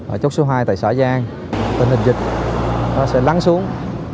ở chốt số hai tại xã giang tình hình dịch nó sẽ lắng xuống